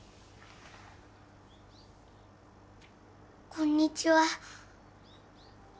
こんにちは。